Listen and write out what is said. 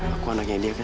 aku anaknya dia kan